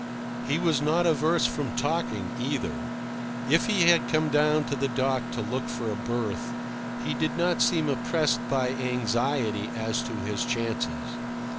He was not averse from talking, either. If he had come down to the dock to look for a berth, he did not seem oppressed by anxiety as to his chances.